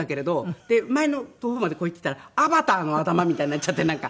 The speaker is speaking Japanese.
で前のとこまでこういってたらアバターの頭みたいになっちゃってなんか。